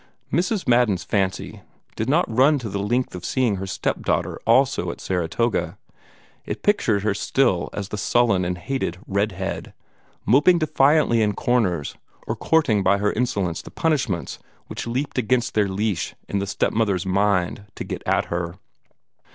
Mrs. Madden's fancy did not run to the length of seeing her step daughter also at Saratoga; it pictured her still as the sullen and hated "red head," moping defiantly in corners, or courting by her insolence the punishments which leaped against their leash in the step mother's mind to get at her.